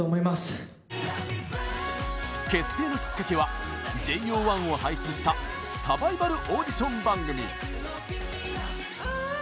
結成のきっかけは ＪＯ１ を輩出したサバイバルオーディション番組。